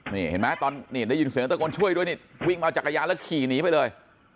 นี่เห็นไหมตอนนี้ได้ยินเสียงตะโกนช่วยด้วยนี่วิ่งมาเอาจักรยานแล้วขี่หนีไปเลย